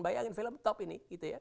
bayangin film top ini